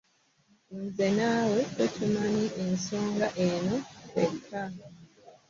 Nze naawe ffe tumanyi ku nsonga eno ffekka.